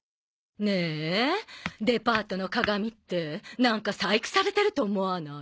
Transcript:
ねえデパートの鏡ってなんか細工されてると思わない？